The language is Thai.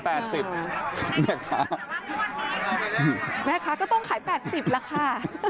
แม่ค้าก็ต้องขาย๘๐ละค่ะ